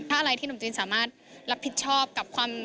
อะไรที่หนุ่มจีนสามารถรับผิดชอบกับความ